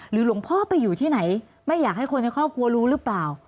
หลวงพ่อไปอยู่ที่ไหนไม่อยากให้คนในครอบครัวรู้หรือเปล่า